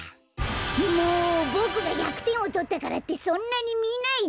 もうボクが１００てんをとったからってそんなにみないでよ！